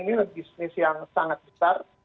bisnis yang sangat besar